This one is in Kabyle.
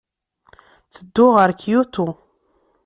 Ttedduɣ ɣer Kyoto.